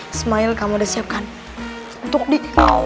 ismail kamu udah siapkan untuk di